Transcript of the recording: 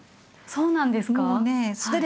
そうなんですか？